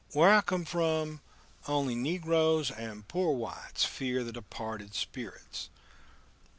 Where I came from only negroes and poor whites fear the departed spirits.